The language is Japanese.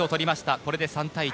これで３対１。